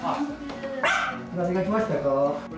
何が来ましたか？